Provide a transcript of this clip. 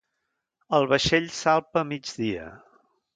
El vaixell salpa a migdia.